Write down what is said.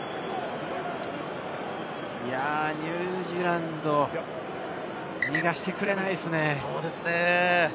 ニュージーランド、逃がしてくれないですね。